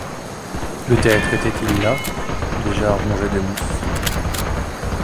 Peut-être étaient-ils là, déjà rongés de mousse ?